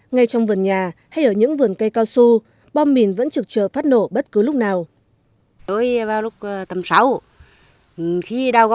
ngay trong vườn nhà hay ở những vườn cây cao su bom mìn vẫn trực chờ phát nổ bất cứ lúc nào